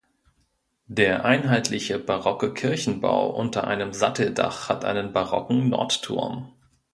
Der einheitliche barocke Kirchenbau unter einem Satteldach hat einen barocken Nordturm.